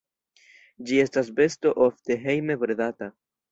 Ĝi estas besto ofte hejme bredata.